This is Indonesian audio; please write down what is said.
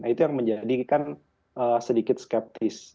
itu yang menjadikan sedikit skeptis